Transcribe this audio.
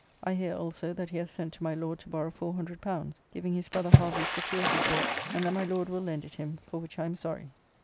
I hear also that he hath sent to my Lord to borrow L400, giving his brother Harvey's' security for it, and that my Lord will lend it him, for which I am sorry.